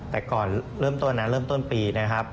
แต่ก่อนเริ่มต้นนะเริ่มต้นปีนะครับ